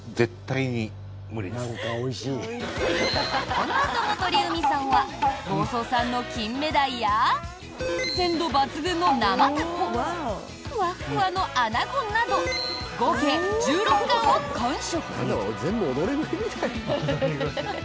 このあとも鳥海さんは房総産のキンメダイや鮮度抜群の生タコふわふわのアナゴなど合計１６貫を完食！